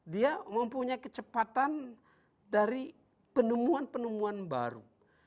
dia mempunyai kecepatan dari penemuan penemuan baru